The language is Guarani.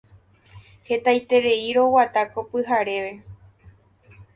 Hetaiterei roguata ko pyhareve.